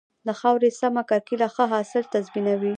د خاورې سمه کرکيله ښه حاصل تضمینوي.